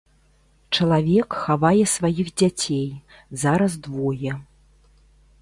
Чалавек хавае сваіх дзяцей, зараз двое.